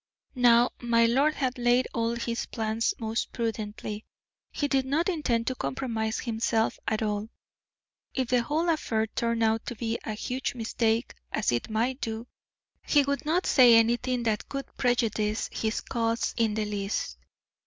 Now my lord had laid all his plans most prudently; he did not intend to compromise himself at all. If the whole affair turned out to be a huge mistake, as it might do, he would not say anything that could prejudice his cause in the least.